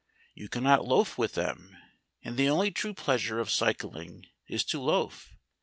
You cannot loaf with them, and the only true pleasure of cycling is to loaf.